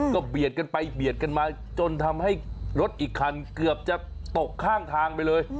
ก็เบียดกันไปเบียดกันมาจนทำให้รถอีกคันเกือบจะตกข้างทางไปเลย